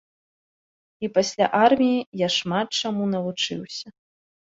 І пасля арміі я шмат чаму навучыўся.